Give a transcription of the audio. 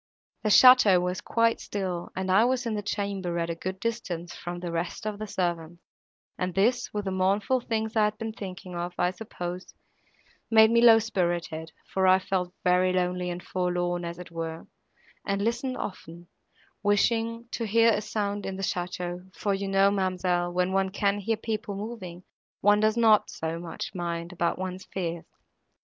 The château was quite still, and I was in the chamber at a good distance from the rest of the servants, and this, with the mournful things I had been thinking of, I suppose, made me low spirited, for I felt very lonely and forlorn, as it were, and listened often, wishing to hear a sound in the château, for you know, ma'amselle, when one can hear people moving, one does not so much mind, about one's fears.